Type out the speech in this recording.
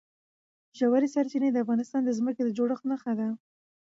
ژورې سرچینې د افغانستان د ځمکې د جوړښت نښه ده.